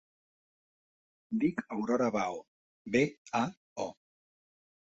Em dic Aurora Bao: be, a, o.